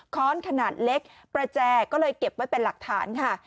้อนขนาดเล็กประแจก็เลยเก็บไว้เป็นหลักฐานค่ะ